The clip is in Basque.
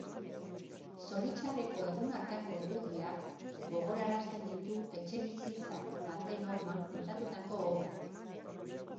Zoritxarreko egun hartako irudiak gogorarazten ditu etxebizitza baten horman pintatutako obrak.